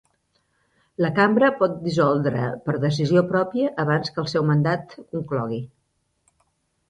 La Cambra pot dissoldre per decisió pròpia abans que el seu mandat conclogui.